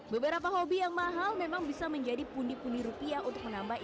beberapa hobi yang mahal memang bisa menjadi pundi pundi rupiah untuk menambah